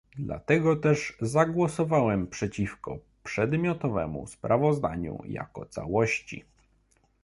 Dlatego też zagłosowałem przeciwko przedmiotowemu sprawozdaniu jako całości